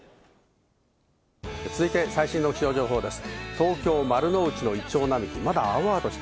続いて最新の気象情報です。